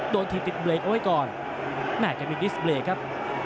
โดนที่ติดเบรกเอาไว้ก่อนแมกกับอีกดิสเบรกครับ